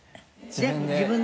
全部自分で？